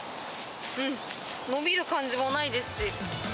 うん、伸びる感じもないですし。